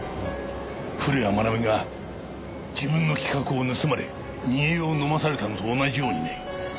古谷愛美が自分の企画を盗まれ煮え湯を飲まされたのと同じようにね。